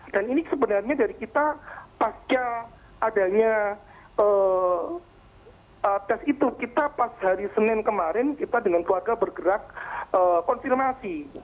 dan ini sebenarnya dari kita pasca adanya tes itu kita pas hari senin kemarin kita dengan keluarga bergerak konfirmasi